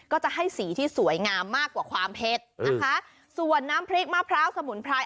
ก็จะให้สีที่สวยงามมากกว่าความเผ็ดนะคะส่วนน้ำพริกมะพร้าวสมุนไพร